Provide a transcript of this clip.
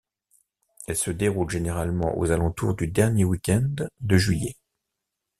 Elle se déroule généralement aux alentours du dernier week-end de juillet.